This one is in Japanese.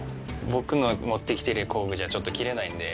僕の持ってきてる工具じゃ、ちょっと切れないんで。